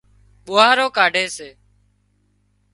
ٻوهارو ڪاڍي سي